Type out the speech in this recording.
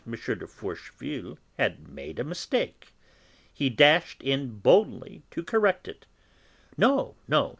de Forcheville had made a mistake. He dashed in boldly to correct it: "No, no.